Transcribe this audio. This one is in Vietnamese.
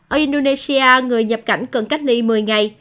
ở indonesia người nhập cảnh cần cách ly một mươi ngày